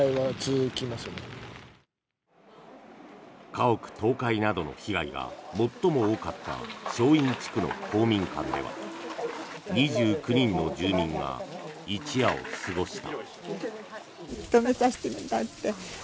家屋倒壊などの被害が最も多かった正院地区の公民館では２９人の住民が一夜を過ごした。